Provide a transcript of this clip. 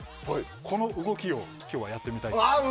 この動きを今日はやってみたいと思います。